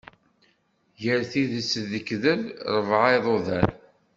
Ger tidet d lekdeb, rebɛa iḍudan.